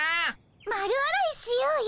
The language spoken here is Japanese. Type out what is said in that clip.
丸洗いしようよ。